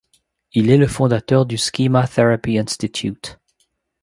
Il est le fondateur du Schema Therapy Institute.